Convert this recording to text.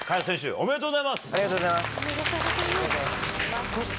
ありがとうございます。